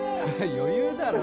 余裕だろ